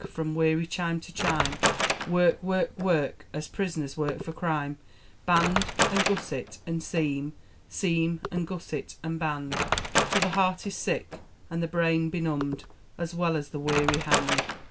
From weary chime to chime, Work work work As prisoners work for crime! Band, and gusset, and seam, Seam, and gusset, and band, Till the heart is sick, and the brain benumbed, As well as the weary hand.